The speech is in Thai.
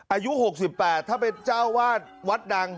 อายุ๖๘ถ้าเป็นเจ้าวาดวัดดัง